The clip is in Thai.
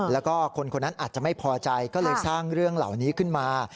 แล้วก็คนคนนั้นอาจจะไม่พอใจก็เลยสร้างเรื่องเหล่านี้ขึ้นมา